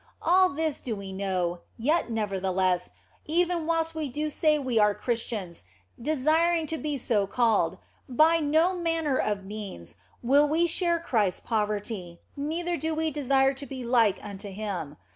All this do we know, yet nevertheless, even whilst we do say we are Christians, desiring to be so called by no manner of means will we share Christ s poverty, neither do we desire to be like unto Him.